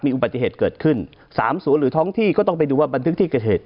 อุบัติเหตุเกิดขึ้น๓๐หรือท้องที่ก็ต้องไปดูว่าบันทึกที่เกิดเหตุ